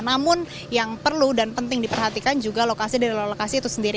namun yang perlu dan penting diperhatikan juga lokasi dari lokasi itu sendiri